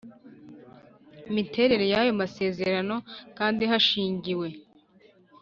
miterere y ayo masezerano kandi hashingiwe